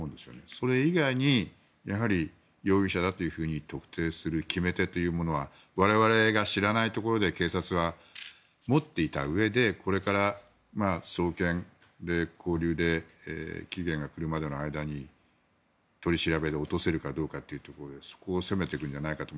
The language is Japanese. それ以外に容疑者だというふうに特定する決め手というものは我々が知らないところで警察は持っていたうえでこれから送検で勾留で期限が来るまでの間に取り調べで落とせるかどうかというところでそこを攻めていくんじゃないかと。